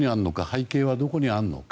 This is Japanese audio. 背景はどこにあるのか。